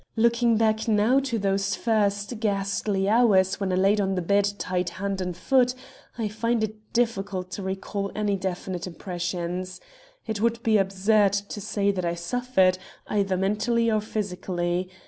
"Looking back now to those first ghastly hours when I laid on the bed tied hand and foot, I find it difficult to recall any definite impressions. It would be absurd to say that I suffered, either mentally or physically.